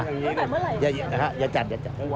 ตั้งแต่เมื่อไหร่อย่าจัดอย่าจัด